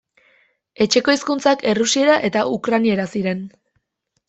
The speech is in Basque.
Etxeko hizkuntzak errusiera eta ukrainera ziren.